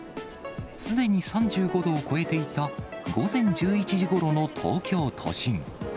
すでに３５度を超えていた、午前１１時ごろの東京都心。